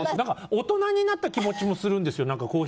大人になった気持ちもするんです